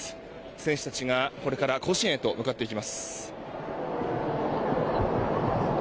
選手たちがこれから甲子園へと向かっていきます。